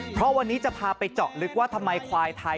เพราะวันนี้จะพาไปเจาะลึกว่าทำไมควายไทย